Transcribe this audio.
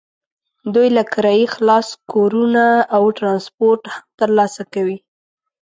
دوی له کرایې خلاص کورونه او ټرانسپورټ هم ترلاسه کوي.